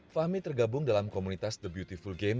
fahmi tergabung dalam komunitas the beautiful game